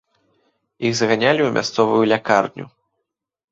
Іх заганялі ў мясцовую лякарню.